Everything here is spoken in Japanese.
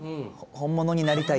本物になりたい？